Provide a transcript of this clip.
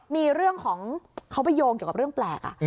มีเรื่องของเขาไปโยงเกี่ยวกับเรื่องแปลก